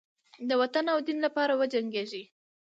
د وطن او دین لپاره وجنګیږي.